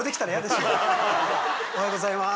おはようございます！